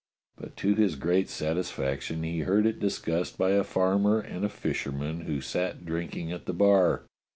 But to his great satis faction he heard it discussed by a farmer and a fisher man who sat drinking at the bar.